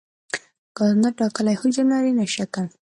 ګاز نه ټاکلی حجم لري نه شکل.